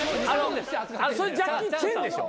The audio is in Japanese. それジャッキー・チェンでしょ。